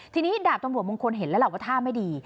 ทีนี้ดาบตำรวจมงคลเห็นแล้วล่ะว่าท่าไม่ดี